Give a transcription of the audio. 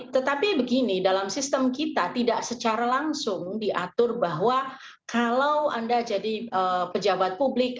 tetapi begini dalam sistem kita tidak secara langsung diatur bahwa kalau anda jadi pejabat publik